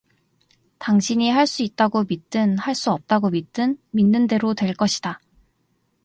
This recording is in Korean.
당신이 할 수 있다고 믿든 할 수 없다고 믿든 믿는 대로 될 것이다.